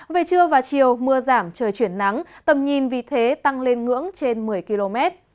về trưa và chiều mưa giảm trời chuyển nắng tầm nhìn vì thế tăng lên ngưỡng trên một mươi km